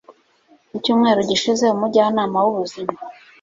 mu cyumweru gishize, umujyanama w'ubuzima